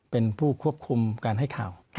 เป็นผู้ควบคุมการให้ข่าว